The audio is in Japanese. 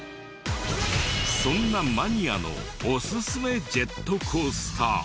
そんなマニアのおすすめジェットコースター。